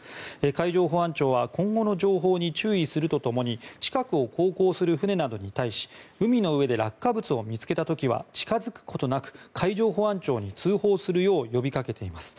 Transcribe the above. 海上保安庁は今後の情報に注意するとともに近くを航行する船などに対し海の上で落下物を見つけた時は近付くことなく海上保安庁に通報するよう呼びかけています。